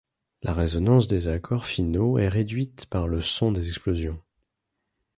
La résonance des accords finaux est réduite par le son des explosions.